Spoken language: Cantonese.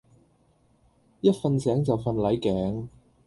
一瞓醒就瞓捩頸